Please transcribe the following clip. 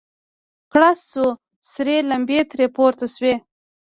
گړز سو سرې لمبې ترې پورته سوې.